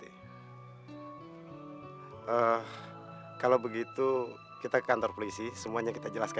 kalau begitu kita ke kantor polisi semuanya kita jelaskan